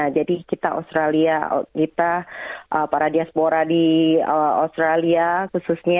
jadi kita australia kita para diaspora di australia khususnya